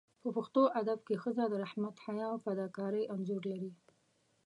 په پښتو ادب کې ښځه د رحمت، حیا او فداکارۍ انځور لري.